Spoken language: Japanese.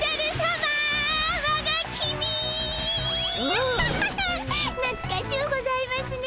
アハハハッなつかしゅうございますね